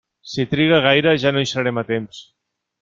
Si triga gaire ja no hi serem a temps.